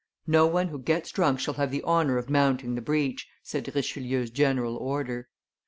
"No one who gets drunk shall have the honor of mounting the breach," said Richelieu's general order.